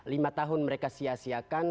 lima tahun mereka sia siakan